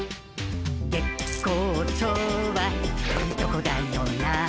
「月光町はいいとこだよな」